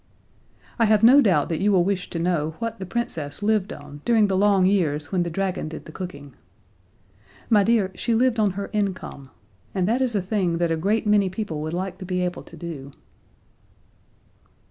I have no doubt that you will wish to know what the Princess lived on during the long years when the dragon did the cooking. My dear, she lived on her income and that is a thing that a great many people would like to be able to do.